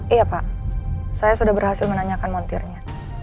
iya pak saya sudah berhasil menanyakan montirnya